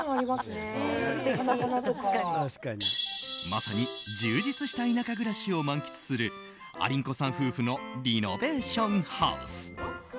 まさに充実した田舎暮らしを満喫するありんこさん夫婦のリノベーションハウス。